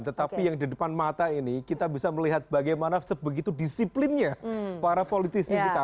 tetapi yang di depan mata ini kita bisa melihat bagaimana sebegitu disiplinnya para politisi kita